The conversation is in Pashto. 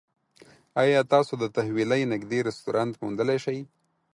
ایا تاسو د تحویلۍ نږدې رستورانت موندلی شئ؟